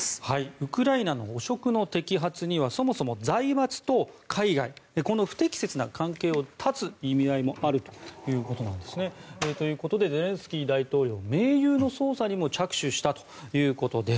ウクライナの汚職の摘発にはそもそも財閥と海外この不適切な関係を断つ意味合いもあるということなんですね。ということでゼレンスキー大統領盟友の捜査にも着手したということです。